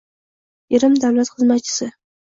Erim davlat xizmatchisi.